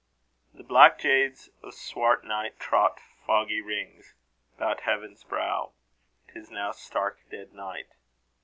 The black jades of swart night trot foggy rings 'Bout heaven's brow. 'Tis now stark dead night.